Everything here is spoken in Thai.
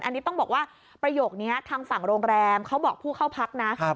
อันนี้ต้องบอกว่าประโยคนี้ทางฝั่งโรงแรมเขาบอกผู้เข้าพักนะ